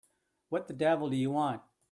What the devil do you want?